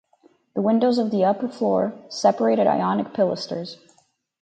The windows of the upper floor separated Ionic pilasters.